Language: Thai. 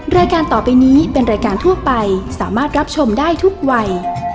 รายการต่อไปนี้เป็นรายการทั่วไปสามารถรับชมได้ทุกวัย